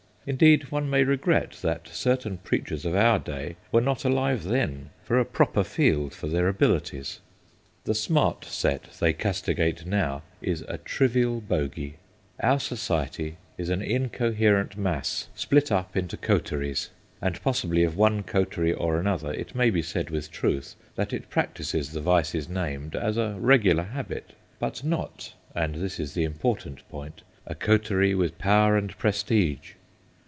Indeed, one may regret that certain preachers of our day were not alive then for a proper field for their abilities. The 'smart set' they castigate now is a trivial bogey. Our society is an 32 THE GHOSTS OF PICCADILLY incoherent mass split up into coteries, and possibly of one coterie or another it may be said with truth that it practises the vices named as a regular habit. But not and this is the important point a coterie with power and prestige.